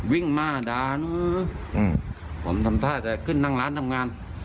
วิ่งมาด่าหนูผมทำท่าแต่ขึ้นนั่งร้านทำงาน